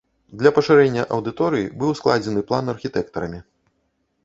Для пашырэння аўдыторыі быў складзены план архітэктарамі.